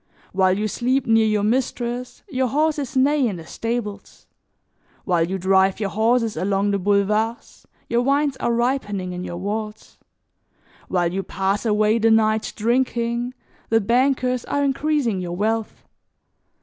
While you sleep near your mistress, your horses neigh in the stables; while you drive your horses along the boulevards, your wines are ripening in your vaults; while you pass away the night drinking, the bankers are increasing your wealth.